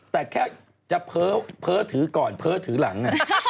แต่แค่จะเพ้อถือก่อนอีกอีกลง